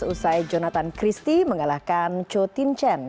usai jonathan christie mengalahkan cho tin chen